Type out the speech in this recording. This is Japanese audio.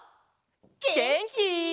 げんき？